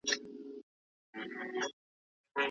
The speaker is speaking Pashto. کله به د وچکالۍ د ناوړه اغېزو مخنیوی وشي؟